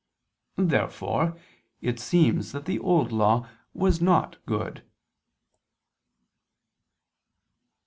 Therefore it seems that the Old Law was not good.